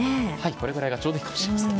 これくらいがちょうどいいかもしれません。